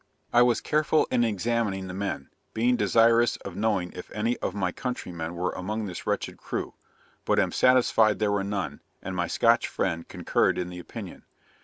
I was careful in examining the men, being desirous of knowing if any of my countrymen were among this wretched crew; but am satisfied there were none, and my Scotch friend concurred in the opinion.